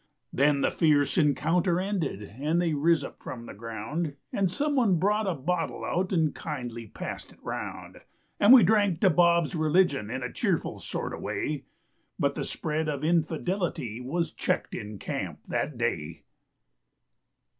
Then the fierce encounter ended And they riz up from the ground And someone brought a bottle out And kindly passed it round. And we drank to Bob's religion In a cheerful sort o' way, But the spread of infidelity Was checked in camp that day.